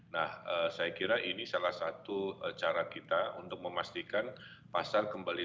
nah saya kira ini salah satu cara kita untuk memastikan pasar kembali